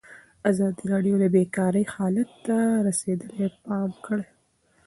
ازادي راډیو د بیکاري حالت ته رسېدلي پام کړی.